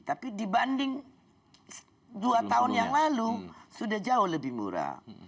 tapi dibanding dua tahun yang lalu sudah jauh lebih murah